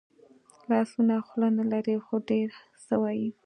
لاسونه خوله نه لري خو ډېر څه وايي